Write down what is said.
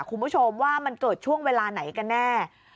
คุณผู้ชมว่ามันเกิดช่วงเวลาไหนกันแน่